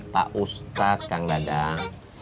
pak ustad kang dadang